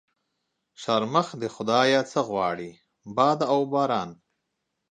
شرمښ د خدا يه څه غواړي ؟ باد و باران.